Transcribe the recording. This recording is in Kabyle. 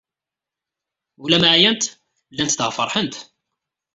Ula ma ɛyant, llant daɣ feṛḥent.